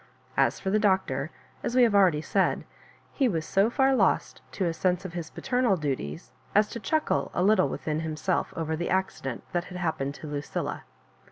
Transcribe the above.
As for the Doctor, as we have already said, he was so far lost to a sense of his paternal duties as to chuckle a little within him self over the accident that had happened to Lucilla.